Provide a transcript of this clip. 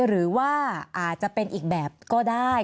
หรือว่าอาจจะเป็นอีกแบบก็ได้